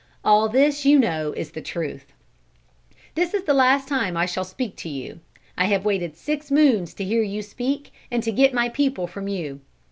All this you know is the truth. "This is the last time I shall speak to you. I have waited six moons to hear you speak and to get my people from you.